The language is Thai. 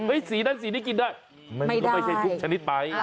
สีนั้นสีนี้กินได้มันก็ไม่ใช่ทุกชนิดไป